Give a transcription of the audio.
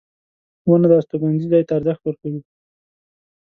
• ونه د استوګنې ځای ته ارزښت ورکوي.